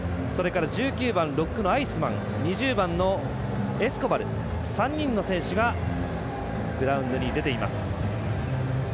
１９番、ロックのアイスマン２０番のエスコバル３人の選手がグラウンドに出ています。